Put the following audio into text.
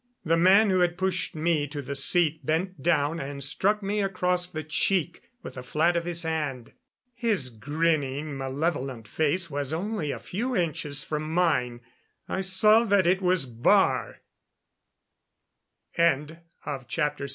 The man who had pushed me to the seat bent down and struck me across the cheek with the flat of his hand. His grinning, malevolent face was only a few inches from mine. I saw that it was Baar! CHAPTER XVIII.